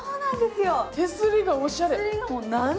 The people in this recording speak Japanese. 手すりがおしゃれ。